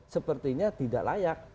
sepertinya tidak layak